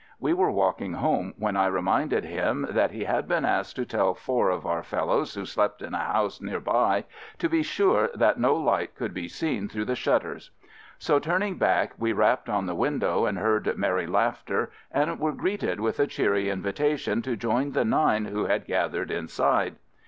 We were walking home when I re minded him that he had been asked to tell four of our fellows who slept in a house near by to be sure that no light could be seen through the shutters; so turning back, we rapped on the window and heard merry laughter and were greeted with a cheery invitation to join the nine who had gathered inside.